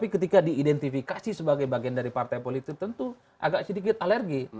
ketika diidentifikasi sebagai bagian dari partai politik tentu agak sedikit alergi